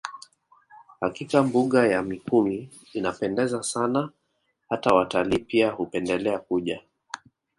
Hakika mbuga ya Mikumi inapendeza sana hata watalii pia hupendelea kuja